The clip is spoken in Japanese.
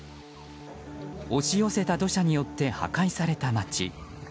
押し寄せた土砂によって破壊された街。